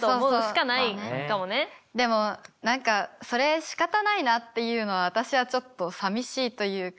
でも何かそれしかたないなっていうのは私はちょっとさみしいというか。